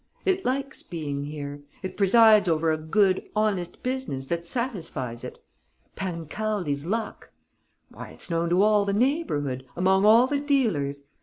It likes being here.... It presides over a good, honest business that satisfies it.... Pancaldi's luck! Why, it's known to all the neighbourhood, among all the dealers!